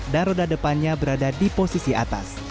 dan roda depannya berada di posisi atas